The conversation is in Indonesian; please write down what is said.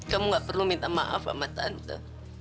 kamu gak perlu minta maaf sama tante